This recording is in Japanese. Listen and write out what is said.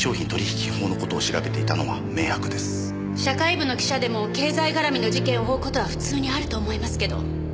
社会部の記者でも経済絡みの事件を追う事は普通にあると思いますけど。